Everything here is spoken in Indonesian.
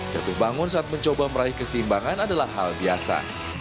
jatuh bangun saat mencoba meraih keseimbangan adalah hal biasa